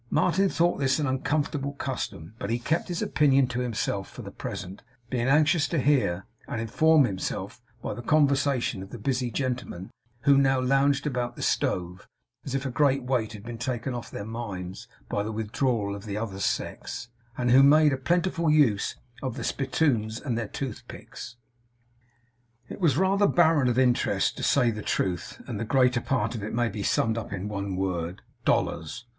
Martin thought this an uncomfortable custom, but he kept his opinion to himself for the present, being anxious to hear, and inform himself by, the conversation of the busy gentlemen, who now lounged about the stove as if a great weight had been taken off their minds by the withdrawal of the other sex; and who made a plentiful use of the spittoons and their toothpicks. It was rather barren of interest, to say the truth; and the greater part of it may be summed up in one word. Dollars.